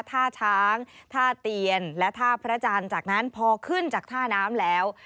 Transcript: ท่าช้างท่าเตียนและท่าพระจันทร์จากนั้นพอขึ้นจากท่าน้ำแล้ว